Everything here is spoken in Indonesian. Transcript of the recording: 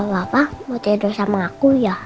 bapak mau cendo sama aku ya